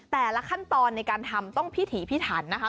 แต่ละขั้นตอนในการทำต้องพิถีพิถันนะคะ